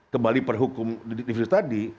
kembali perhukum di video tadi